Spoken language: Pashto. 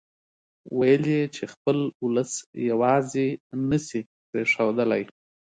ويل يې چې خپل اولس يواځې نه شي پرېښودلای.